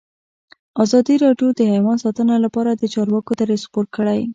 ازادي راډیو د حیوان ساتنه لپاره د چارواکو دریځ خپور کړی.